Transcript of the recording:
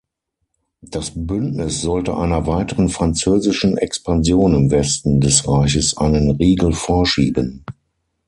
Das Bündnis sollte einer weiteren französischen Expansion im Westen des Reiches einen Riegel vorschieben.